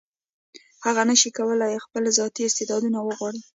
هغه نشي کولای خپل ذاتي استعدادونه وغوړوي.